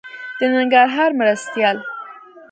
د ننګرهار مرستيال